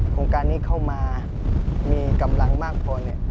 โครงการนี้เข้ามามีกำลังมากพอ